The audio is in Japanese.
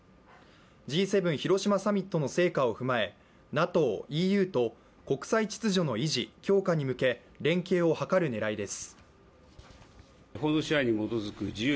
Ｇ７広島サミットの成果を踏まえＮＡＴＯ、ＥＵと国際秩序の維持・強化に向け連携を図る狙いです。